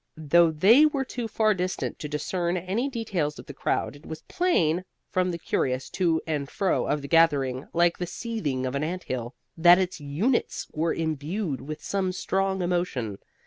Though they were too far distant to discern any details of the crowd, it was plain (from the curious to and fro of the gathering, like the seething of an ant hill) that its units were imbued with some strong emotion.